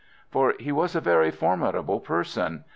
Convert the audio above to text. For he was a very formidable person.